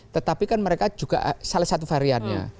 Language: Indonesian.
tetapi kan mereka juga salah satu variannya